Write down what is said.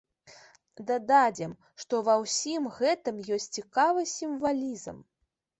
Дададзім, што ва ўсім гэтым ёсць цікавы сімвалізм.